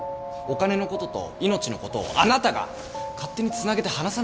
お金のことと命のことをあなたが勝手につなげて話さないでくださいよ。